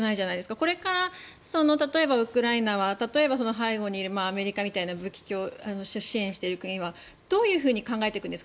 これからウクライナは例えば背後にいるアメリカみたいな支援している国はどういうふうに考えていくんですか。